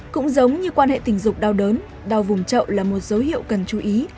cũng giống như quan hệ tình dục đau đớn đau vùng trậu là một dấu hiệu cần chú ý